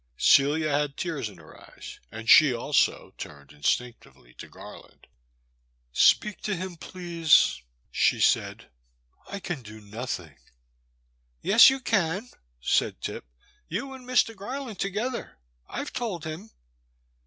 Celia had tears in her eyes, and she also turned instinctively to Garland. '* Speak to him, please, '' she said, I can do nothing." Yes you can,*' said Tip —you and Mr. Gar land together. I *ve told him.'